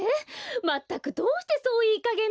まったくどうしてそういいかげんなの？